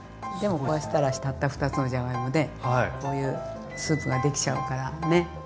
でもこうしたらたった２つのじゃがいもでこういうスープができちゃうからね。